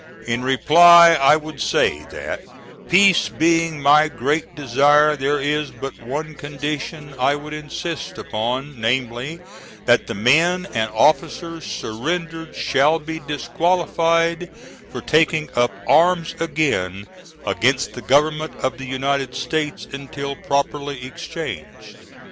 In reply I would say that, peace being my great desire, there is but one condition I would insist upon, namely: that the men and officers surrendered shall be disqualified for taking up arms again against the Government of the United States until properly exchanged.